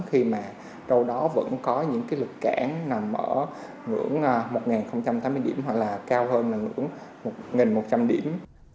khi mà trong đó vẫn có những cái lực cản nằm mở ngưỡng một tám mươi điểm hoặc là cao hơn là ngưỡng một một trăm linh điểm